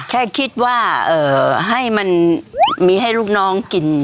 แค่คิดว่าให้มันมีให้ลูกน้องกิน